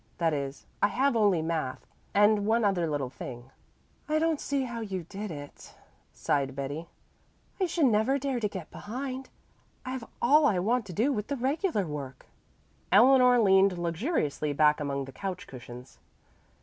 That is, I have only math., and one other little thing." "I don't see how you did it," sighed Betty. "I should never dare to get behind. I have all I want to do with the regular work." Eleanor leaned luxuriously back among the couch cushions.